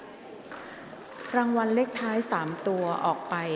ออกรางวัลเลขหน้า๓ตัวครั้งที่๒